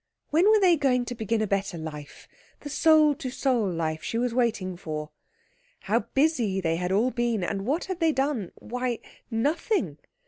When were they going to begin the better life, the soul to soul life she was waiting for? How busy they had all been, and what had they done? Why, nothing.